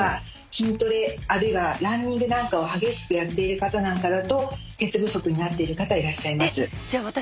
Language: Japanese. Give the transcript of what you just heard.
筋トレあるいはランニングなんかを激しくやっている方なんかだと鉄不足になっている方いらっしゃいます。